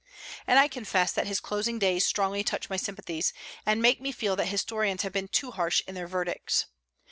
And I confess that his closing days strongly touch my sympathies, and make me feel that historians have been too harsh in their verdicts.